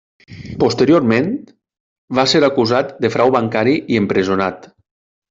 Posteriorment, va ser acusat de frau bancari i empresonat.